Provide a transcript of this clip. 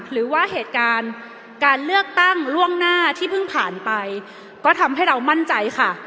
หรือว่าเหตุการณ์การเลือกตั้งล่วงหน้าที่เพิ่งผ่านไปก็ทำให้เรามั่นใจค่ะ